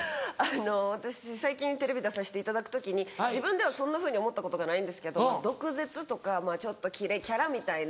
私最近テレビ出させていただく時に自分ではそんなふうに思ったことがないんですけど毒舌とかちょっとキレキャラみたいな。